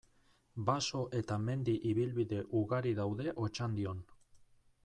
Baso eta mendi ibilbide ugari daude Otxandion.